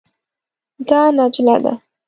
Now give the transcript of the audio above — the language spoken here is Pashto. دا نجله ده.